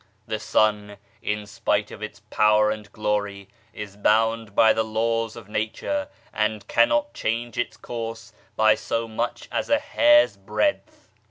The sun, in spite of its power and glory, is bound by the laws of nature, and cannot change its course by so much as a hair's breadth.